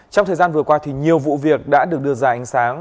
trong thời gian vừa qua thì nhiều vụ việc đã được đưa ra ánh sáng